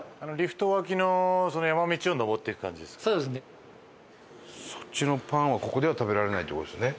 伊達：そっちのパンは、ここでは食べられないって事ですね？